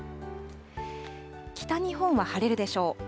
北日本は晴れるでしょう。